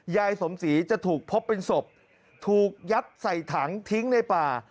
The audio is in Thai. ยายสมศรีจะถูกพบเป็นศพถูกยัดใส่ถังทิ้งในป่า